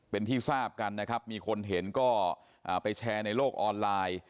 เป็นที่ทราบกันนะครับมีคนเห็นก็ไปแชร์ในโลกออนไลน์